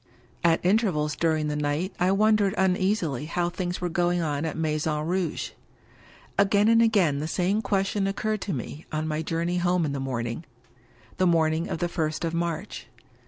At intervals during the night I wondered uneasily how things were going on at Maison Rouge. Again and again the same question occurred to me, on my journey home in the early morning — ^the morning of the first of March.